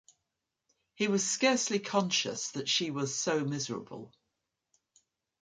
He was scarcely conscious that she was so miserable.